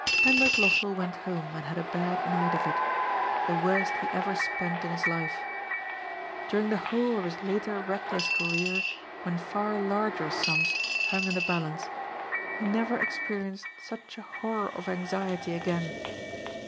Hendrik Lossell went home and had a bad night of it, the worst he ever spent in his life. During the whole of his later reckless career, when far larger sums hung in the balance, he never experienced such a horror of anxiety again.